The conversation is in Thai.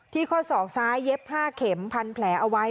ที่ข้อ๒ซ้ายเย็บผ้าเข็มพันแผลเอาไว้